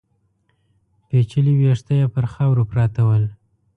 پيچلي ويښته يې پر خاورو پراته ول.